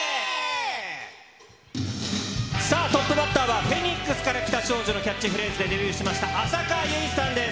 さあ、トップバッターは、フェニックスから来た少女のキャッチフレーズでデビューしました、浅香唯さんです。